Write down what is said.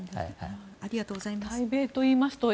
ありがとうございます。